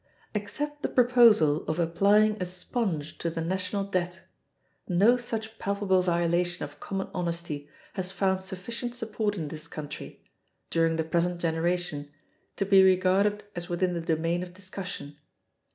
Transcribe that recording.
Except the proposal of applying a sponge to the national debt, no such palpable violation of common honesty has found sufficient support in this country, during the present generation, to be regarded as within the domain of discussion.